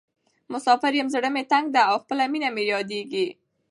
مسافر یم زړه مې تنګ ده او خپله مینه مې رایادیزې.